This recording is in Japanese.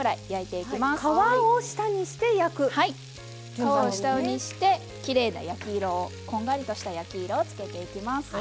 皮を下にしてきれいな焼き色をこんがりとした焼き色を付けていきます。